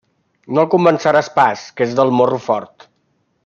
No el convenceràs pas, que és del morro fort!